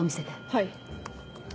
はい。